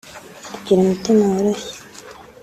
Agira umutima woroshye